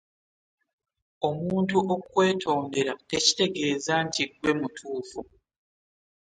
omuntu okkwetondera tekitegeeza nti ggwe mutuufu